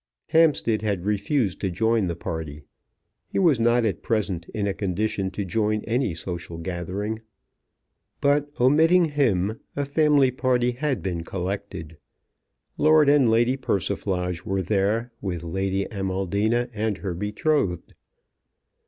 Hampstead had refused to join the party. He was not at present in a condition to join any social gathering. But, omitting him, a family party had been collected. Lord and Lady Persiflage were there, with Lady Amaldina and her betrothed.